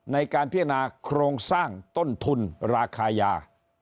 ในการพิจารณาโครงสร้างต้นทุนราคายา